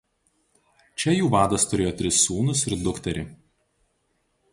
Čia jų vadas turėjo tris sūnus ir dukterį.